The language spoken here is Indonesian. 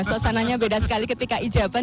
suasananya beda sekali ketika ijabat